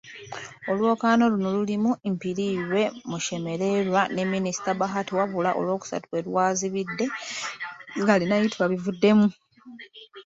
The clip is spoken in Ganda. Olwokaano luno lulimu; Mpiriirwe, Mashemererwa ne Minisita Bahati wabula Olwokusatu we lwazibidde nga Arineitwe abivuddemu.